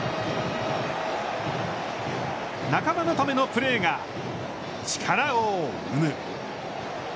仲間のためのプレーが力を生む。